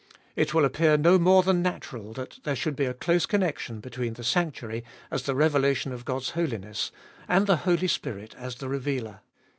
It will appear no more than natural that there should be a close connection between the sanctuary as the revelation of God's holiness, and the Holy Spirit as the revealer.